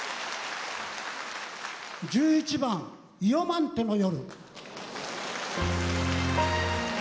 １１番「イヨマンテの夜」。